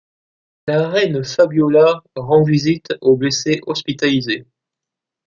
La reine Fabiola rend visite aux blessés hospitalisés.